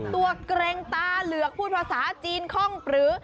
ตัวแกร่งตาเหลือกพูดภาษาจีนค่องปรื๋อ